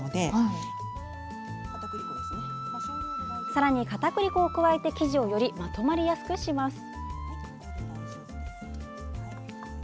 さらにかたくり粉を加えて生地をより、まとまりやすくします。